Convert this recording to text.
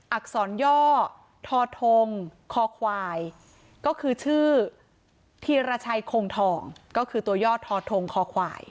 อักษรย่อทอทงคอควายก็คือชื่อธีรชัยคงทองก็คือตัวย่อทอทงคอควาย